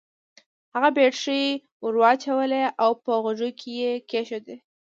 هغه بېټرۍ ور واچولې او په غوږو کې يې کېښوده.